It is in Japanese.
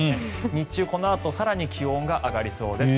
日中、このあと更に気温が上がりそうです。